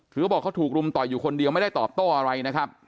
คือเขาบอกเขาถูกรุมต่อยอยู่คนเดียวไม่ได้ตอบโต้อะไรนะครับ